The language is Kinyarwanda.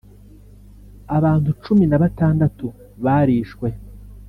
abantu cumi na batandatu barishwe